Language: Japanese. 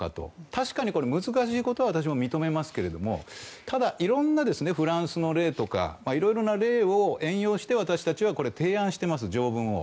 確かにこれ、難しいことは私も認めますけどただ、フランスの例とかいろいろな例を援用して私たちは提案しています、条文を。